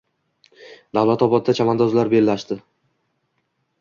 Davlatobodda chavandozlar bellashding